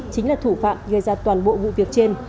chính là thủ phạm gây ra toàn bộ vụ việc trên